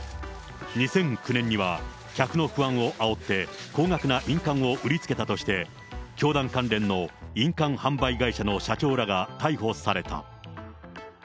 ２００９年には、客の不安をあおって、高額な印鑑を売りつけたとして、教団関連の印鑑販売会社の社長らが逮捕された。